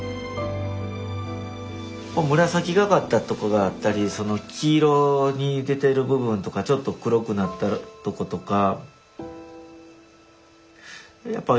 紫がかったとこがあったり黄色に出てる部分とかちょっと黒くなったとことか。